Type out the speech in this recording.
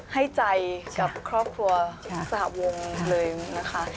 ให้ใจกับครอบครัวศาลองค์เลยนะคะ